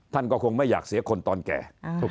ท่านก็คงไม่อยากเสียคนตอนแก่